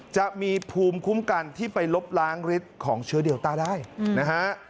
จะมีภูมิคุ้มกันที่ไปลบล้างฤทธิ์ของเชื้อเดลต้าได้นะฮะ